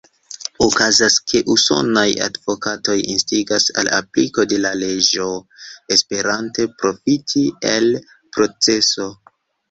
Okazas, ke usonaj advokatoj instigas al apliko de la leĝo, esperante profiti el proceso.